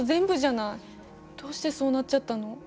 どうしてそうなっちゃったの？